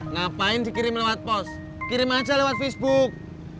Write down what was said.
ngapain dikirim lewat pos kirim aja lewat facebook